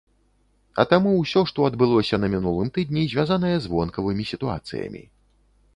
А таму ўсё, што адбылося на мінулым тыдні, звязанае з вонкавымі сітуацыямі.